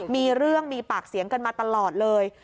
มีเรื่องมีปากเสียงกันมาตลอดเลย